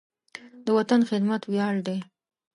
د وطن خدمت ویاړ دی.